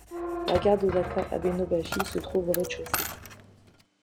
La gare d'Osaka-Abenobashi se trouve au rez-de-chaussée.